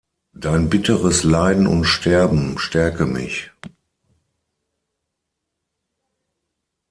Dein bitteres Leiden und Sterben stärke mich.